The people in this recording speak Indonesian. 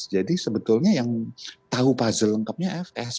jadi sebetulnya yang tahu puzzle lengkapnya fs